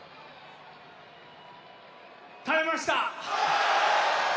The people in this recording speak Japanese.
耐えました！